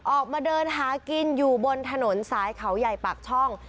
ออกมาเดินหากินอยู่บนถนนสายเขาใหญ่ปากช่อง